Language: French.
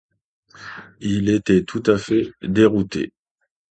Il était tout à fait dérouté.